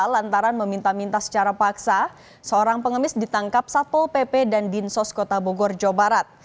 lantaran meminta minta secara paksa seorang pengemis ditangkap satpol pp dan dinsos kota bogor jawa barat